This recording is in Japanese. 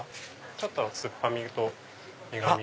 ちょっと酸っぱみと苦みが。